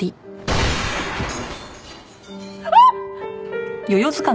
あっ！